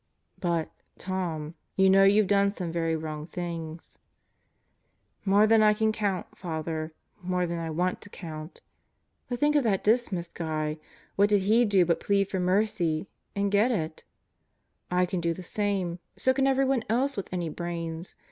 "But, Tom, you know you've done some very wrong things " "More than I can count, Father! More than I want to count. But think of that Dismas guy. What did he do but plead for mercy, and get it? I can do the same. So can everyone else with any brains.